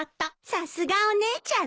さすがお姉ちゃんね。